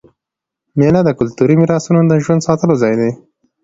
مېله د کلتوري میراثونو د ژوندي ساتلو ځای دئ.